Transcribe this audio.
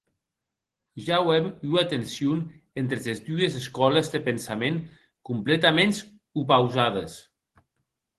Ja auem ua tension entre es dues escòles de pensament complètaments opausades.